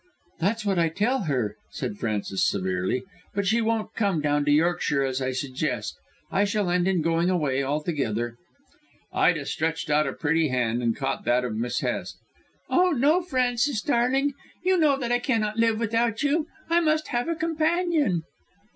"That's what I tell her," said Frances severely; "but she won't come down to Yorkshire, as I suggest. I shall end in going away altogether." Ida stretched out a pretty hand and caught that of Miss Hest. "Oh, no, Frances, darling; you know that I cannot live without you. I must have a companion."